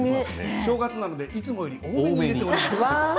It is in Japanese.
正月なんでいつもより多めに入れております。